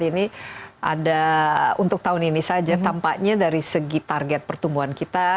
ini ada untuk tahun ini saja tampaknya dari segi target pertumbuhan kita